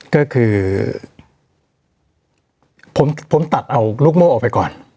ก็คือผมตัดเอาลูกโม่ออกไปก่อน